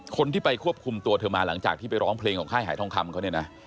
คนที่ไปควบคุมตัวเธอมาหลังจากที่ไปร้องเพลงของค่ายหายทองคำเขาเนี่ยนะ